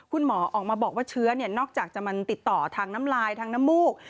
คุณหมอออกมาบอกว่าเชื้อนอกจากจะมันติดต่อทางน้ำลายทางน้ำมูก